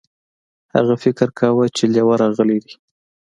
هغه فکر کاوه چې لیوه راغلی دی.